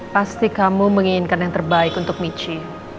pasti kamu menginginkan yang terbaik untuk michi